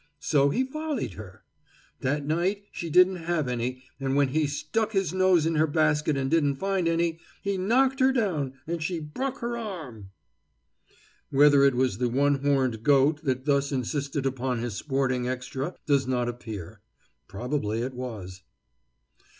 So he follied her. That night she didn't have any, an' when he stuck his nose in her basket an' didn't find any, he knocked her down, an' she bruk her arm." Whether it was the one horned goat that thus insisted upon his sporting extra does not appear. Probably it was.